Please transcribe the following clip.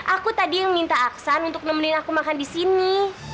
aku tadi yang minta aksan untuk nemenin aku makan di sini